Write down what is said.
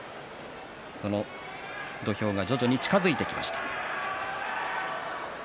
その土俵が徐々に近づいてきました。